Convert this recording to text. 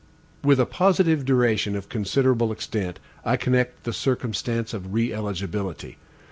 With a positive duration of considerable extent, I connect the circumstance of re eligibility.